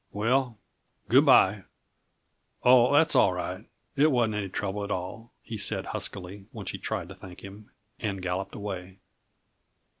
"Well, good by. Oh, that's all right it wasn't any trouble at all," he said huskily when she tried to thank him, and galloped away.